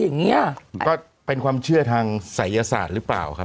อย่างนี้ก็เป็นความเชื่อทางศัยศาสตร์หรือเปล่าครับ